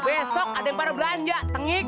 besok ada yang pada belanja tengik